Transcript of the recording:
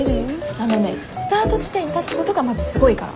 あのねスタート地点に立つことがまずすごいから。